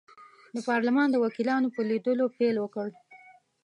د پارلمان د وکیلانو په لیدلو پیل وکړ.